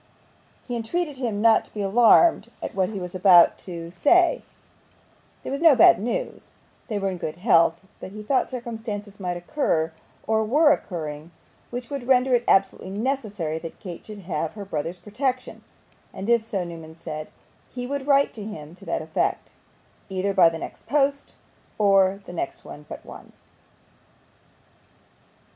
He entreated him not to be alarmed at what he was about to say; there was no bad news they were in good health but he thought circumstances might occur, or were occurring, which would render it absolutely necessary that Kate should have her brother's protection, and if so, Newman said, he would write to him to that effect, either by the next post or the next but one.